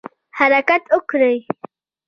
حرکت وکړئ